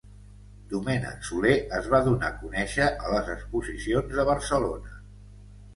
Domènec Soler es va donar a conèixer a les exposicions de Barcelona.